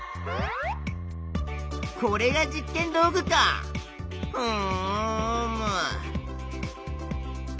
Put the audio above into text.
これが実験道具かふむ！